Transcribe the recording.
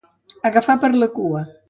Agafar per la cua.